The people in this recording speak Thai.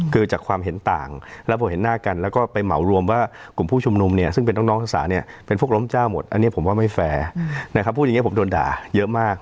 คือจากความเห็นต่างแล้วพอเห็นหน้ากันแล้วก็ไปเหมารวมว่ากลุ่มผู้ชุมนุมเนี่ยซึ่งเป็นน้องนักศึกษาเนี่ยเป็นพวกล้มเจ้าหมดอันนี้ผมว่าไม่แฟร์นะครับพูดอย่างนี้ผมโดนด่าเยอะมาก